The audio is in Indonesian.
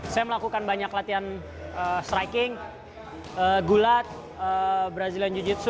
saya melakukan banyak latihan striking gulat brazilian jiu jitsu